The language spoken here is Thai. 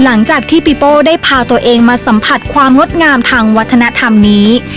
หลังจากที่ปีโป้ได้พาตัวเองมาสัมผัสความงดงามทางวัฒนธรรมนี้